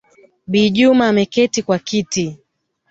Bi Juma ameketi kwa kiti